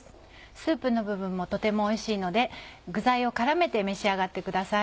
スープの部分もとてもおいしいので具材を絡めて召し上がってください。